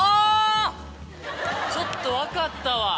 ちょっと分かったわ。